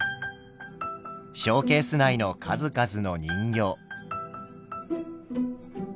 ショーケース内の数々の人形。